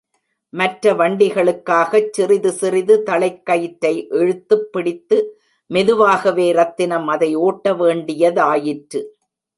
மற்ற வண்டிகளுக்காகச் சிறிது சிறிது தளைக் கயிற்றை இழுத்துப் பிடித்து மெதுவாகவே ரத்தினம் அதை ஓட்டவேண்டியதாயிற்று.